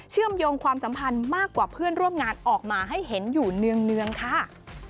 เชื่อมโยงความสัมพันธ์มากกว่าเพื่อนร่วมงานออกมาให้เห็นอยู่เนื่องค่ะ